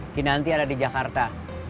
kinanti ada di jakarta